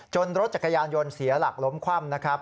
รถจักรยานยนต์เสียหลักล้มคว่ำนะครับ